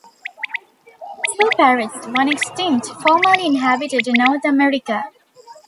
Two parrots, one extinct, formerly inhabited North America.